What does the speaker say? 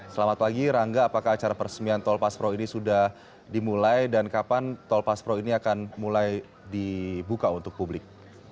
selamat pagi rangga apakah acara peresmian tol paspro ini sudah dimulai dan kapan tol paspro ini akan mulai dibuka untuk publik